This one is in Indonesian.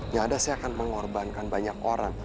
nyadar saya akan mengorbankan banyak orang